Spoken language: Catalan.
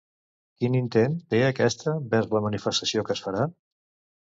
Quin intent té aquesta vers la manifestació que es farà?